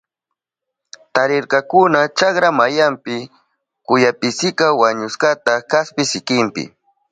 Tarirkakuna chakra mayanpi kuyapisika wañushkata kaspi sikinpi.